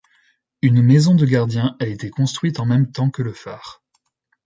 Une maison de gardien a été construite en même temps que le phare.